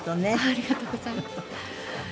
ありがとうございます。